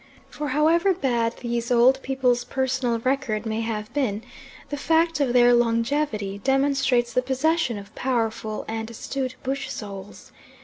For, however bad these old people's personal record may have been, the fact of their longevity demonstrates the possession of powerful and astute bush souls.